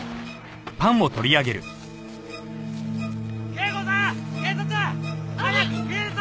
圭子さん警察！早く警察！